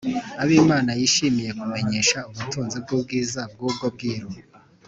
abo Imana yishimiye kumenyesha ubutunzi bw’ubwiza bw’ubwo bwiru